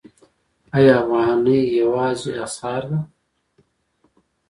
آیا افغانۍ یوازینۍ اسعار ده؟